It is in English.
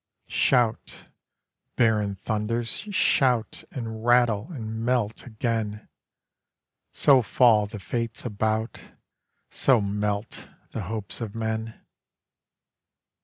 Shout, barren thunders, shout And rattle and melt again! So fall the fates about, So melt the hopes of men.